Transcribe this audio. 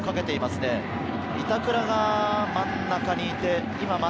板倉が真ん中にいて。